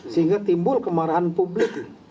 sehingga timbul kemarahan publik